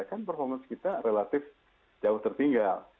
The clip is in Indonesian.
kan performance kita relatif jauh tertinggal